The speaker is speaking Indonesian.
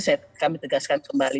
itu kami tegaskan kembali